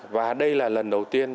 và đây là lần đầu tiên